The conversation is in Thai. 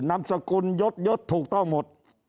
นามสกุลยศยดถูกต้องหมด